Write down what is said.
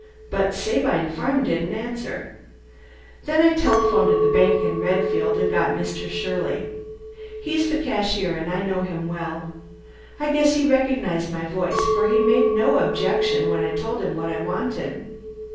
But Sabine Farm didn't answer. Then I telephoned to the bank in Redfield, and got Mr. Shirley. He's the cashier, and I know him well. I guess he recognized my voice, for he made no objection when I told him what I wanted.